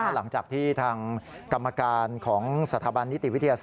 หลังจากที่ทางกรรมการของสถาบันนิติวิทยาศา